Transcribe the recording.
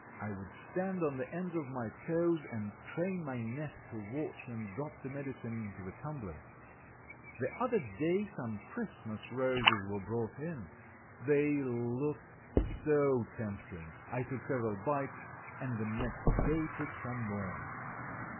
I would stand on the ends of my toes and crane my neck to watch him drop the medicine into the tumblers. The other day some Christmas roses were brought in. They looked so tempting I took several bites, and the next day took some more.